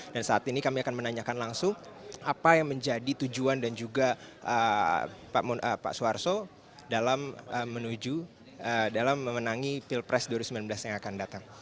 dan saat ini kami akan menanyakan langsung apa yang menjadi tujuan dan juga pak suharto dalam menuju dalam memenangi pilpres dua ribu sembilan belas yang akan datang